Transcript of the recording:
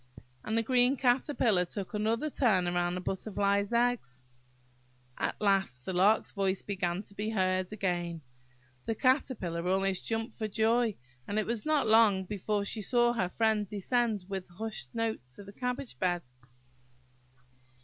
And the green Caterpillar took another turn round the Butterfly's eggs. At last the Lark's voice began to be heard again. The Caterpillar almost jumped for joy and it was not long before she saw her friend descend with hushed note to the cabbage bed.